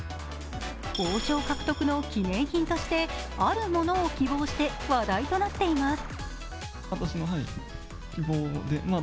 王将獲得の記念品として、あるものを希望して話題となっています。